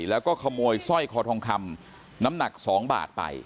แล้วก็ขโมยสร้อยคอทองคำน้ำหนัก๒บาทไป